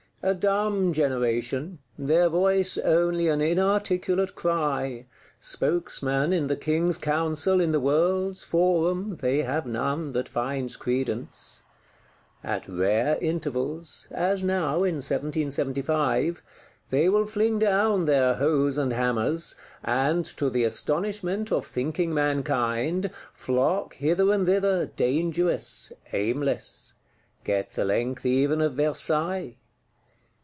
A dumb generation; their voice only an inarticulate cry: spokesman, in the King's Council, in the world's forum, they have none that finds credence. At rare intervals (as now, in 1775), they will fling down their hoes and hammers; and, to the astonishment of thinking mankind, flock hither and thither, dangerous, aimless; get the length even of Versailles.